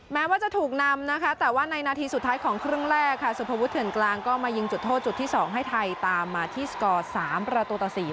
แม้ว่าจะถูกนำนะคะแต่ว่าในนาทีสุดท้ายของครึ่งแรกค่ะสุภวุฒเถื่อนกลางก็มายิงจุดโทษจุดที่๒ให้ไทยตามมาที่สกอร์๓ประตูต่อ๔